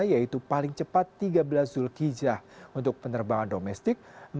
yaitu paling cepat tiga belas zulkijrah untuk penerbangan domestik